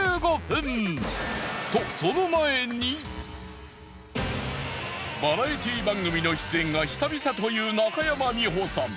スペシャルバラエティー番組の出演が久々という中山美穂さん。